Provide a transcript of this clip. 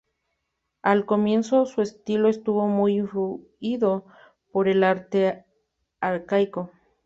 Al comienzo su estilo estuvo muy influido por el arte arcaico.